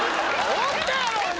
おったやろうが！